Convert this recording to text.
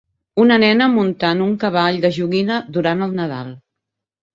Una nena muntant un cavall de joguina durant el Nadal